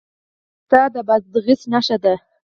پسته د بادغیس نښه ده.